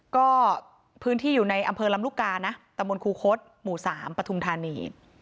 ก็พื้นที่อยู่ในอำเภอลำลูกกานะตะมนต์ครูคศหมู่๓ปฐุมธานี